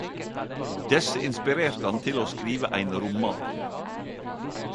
Desse inspirerte han til å skrive ein roman.